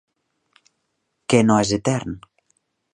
Què no és etern?